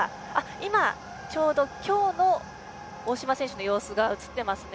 今ちょうど今日の大島選手の様子が映っています。